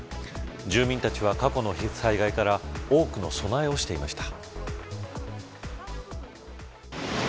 住民たちは過去の災害から多くの備えをしていました。